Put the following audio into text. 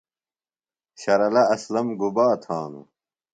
شرلہ اسلم گُبا تھا نوۡ؟